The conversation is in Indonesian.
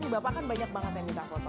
bapak kan banyak banget yang minta foto